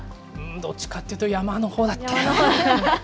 どっちかっていうと山のほうだった。